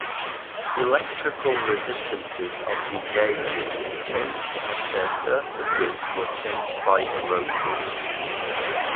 Electrical resistances of the gauges changed as their surfaces were changed by erosion.